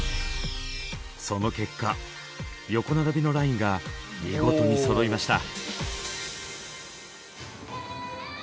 その結果横並びのラインが見事にそろいました。